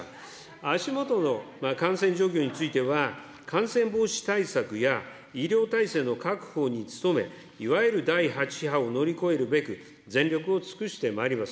足下の感染状況については、感染防止対策や、医療体制の確保に努め、いわゆる第８波を乗り越えるべく、全力を尽くしてまいります。